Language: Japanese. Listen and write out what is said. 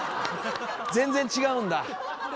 全然違うんだ。